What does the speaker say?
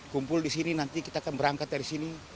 kumpul di sini nanti kita akan berangkat dari sini